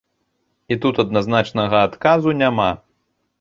І тут адназначнага адказу няма.